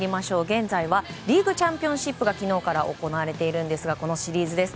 現在はリーグチャンピオンシップが昨日から行われているんですがこのシリーズです。